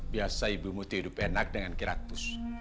biasa ibu muti hidup enak dengan keratus